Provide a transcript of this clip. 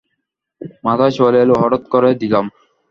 মাথায় চলে এলো, হঠাৎ করে দিলাম।